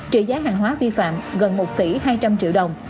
trị giá hàng hóa vi phạm gần một hai trăm linh tỷ đồng